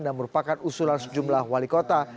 dan merupakan usulan sejumlah wali kota